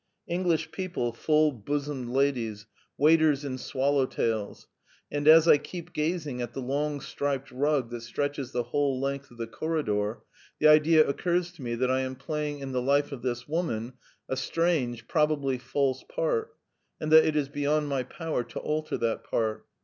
... English people, full bosomed ladies, waiters in swallow tails. ... And as I keep gazing at the long striped rug that stretches the whole length of the corridor, the idea occurs to me that I am playing in the life of this woman a strange, probably false part, and that it is beyond my power to alter that part.